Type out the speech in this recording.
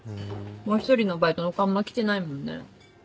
もう１人のバイトの子あんま来てないもんね。